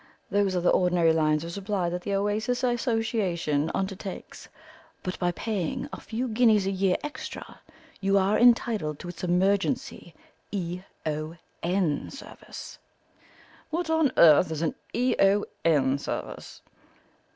Those are the ordinary lines of supply that the Oasis Association undertakes, but by paying a few guineas a year extra you are entitled to its emergency E.O.N. service." "What on earth is an E.O.N. service?"